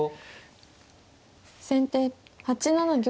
先手８七玉。